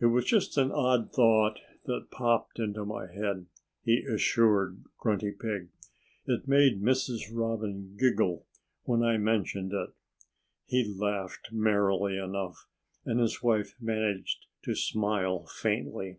"It was just an odd thought that popped into my head," he assured Grunty Pig. "It made Mrs. Robin giggle when I mentioned it." He laughed merrily enough. And his wife managed to smile faintly.